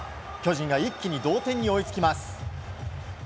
巨人が一気に同点に追いつきます。